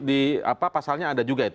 di apa pasalnya ada juga itu